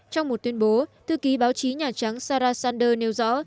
trong một tuyên bố thư ký báo chí nhà trắng sarah sander nêu rõ